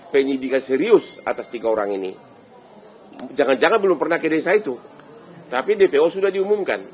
penyidikan serius atas tiga orang ini jangan jangan belum pernah ke desa itu tapi dpo sudah diumumkan